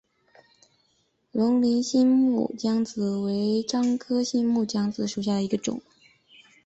龙陵新木姜子为樟科新木姜子属下的一个种。